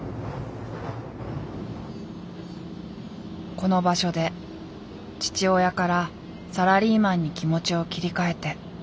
この場所で父親からサラリーマンに気持ちを切り替えて。